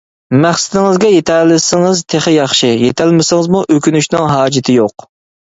مەقسىتىڭىزگە يېتەلىسىڭىز تېخى ياخشى، يېتەلمىسىڭىزمۇ ئۆكۈنۈشنىڭ ھاجىتى يوق.